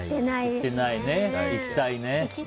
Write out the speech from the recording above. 行きたいね。